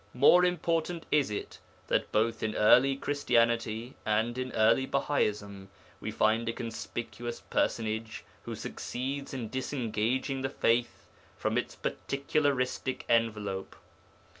More important is it that both in early Christianity and in early Bahaism we find a conspicuous personage who succeeds in disengaging the faith from its particularistic envelope.